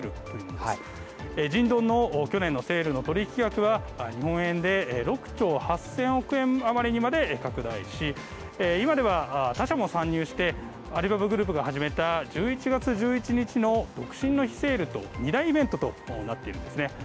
京東の去年のセールの取引額は日本円で６兆８０００億円余りにまで拡大し今では、他社も参入してアリババグループが始めた１１月１１日の独身の日セールと２大イベントとなっているんですね。